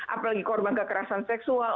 apalagi korban kekerasan seksual